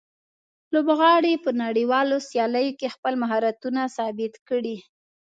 لوبغاړي په نړیوالو سیالیو کې خپل مهارتونه ثابت کړي.